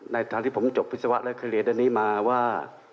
ในทางที่ผมจบพฤศวะแล้วคลิปอันนี้มาว่า